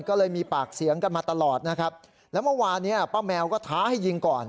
ก็เลยมีปากเสียงกันมาตลอดนะครับแล้วเมื่อวานเนี่ยป้าแมวก็ท้าให้ยิงก่อน